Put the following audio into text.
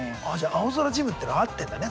青空ジムっていうのは合ってるんだね